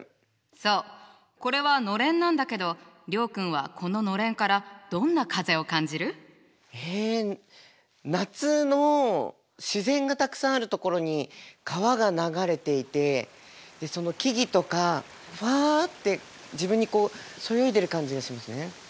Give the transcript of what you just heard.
そうこれはのれんなんだけど諒君はこののれんからどんな風を感じる？え夏の自然がたくさんある所に川が流れていてその木々とかふあって自分にこうそよいでる感じがしますね。